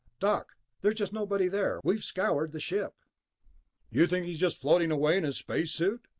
"Doc, there's just nobody there! We've scoured the ship." "You think he just floated away in his space suit?"